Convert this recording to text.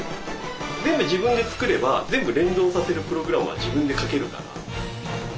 全部自分で作れば全部連動させるプログラムは自分で書けるから。